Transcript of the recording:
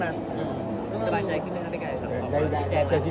หันหากินมาดีน่ะครับ